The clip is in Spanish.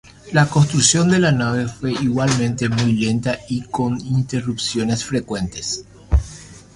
La construcción de la nave fue igualmente muy lenta y con interrupciones frecuentes.